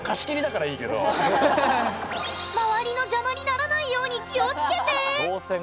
周りの邪魔にならないように気を付けて！